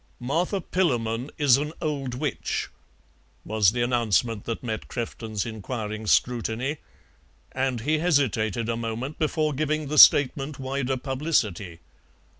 "Martha Pillamon is an old witch" was the announcement that met Crefton's inquiring scrutiny, and he hesitated a moment before giving the statement wider publicity.